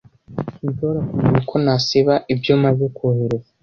Sinshobora kumenya uko nasiba ibyo maze kohereza.